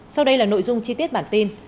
sau đây là nội dung chi tiết bản tin